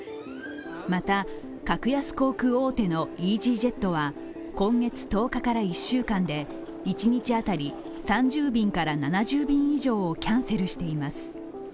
また、格安航空大手のイージージェットは今月１０日から１週間で一日当たり３０便から７０便以上をキャンセルしています。